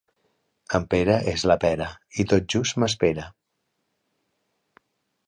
En Pere és la pera i tot just m'espera.